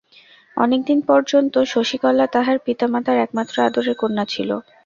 অনেকদিন পর্যন্ত শশিকলা তাহার পিতামাতার একমাত্র আদরের কন্যা ছিল।